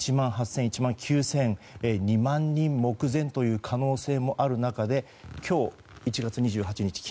１万８０００、１万９０００２万人目前という可能性もある中で今日、１月２８日